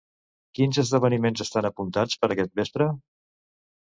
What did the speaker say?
Quins esdeveniments estan apuntats per aquest vespre?